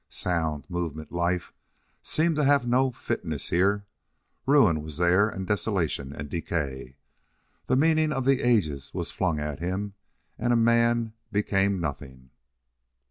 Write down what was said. Sound, movement, life, seemed to have no fitness here. Ruin was there and desolation and decay. The meaning of the ages was flung at him, and a man became nothing.